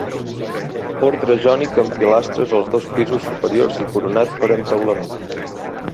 Ordre jònic amb pilastres als dos pisos superiors i coronat per entaulament.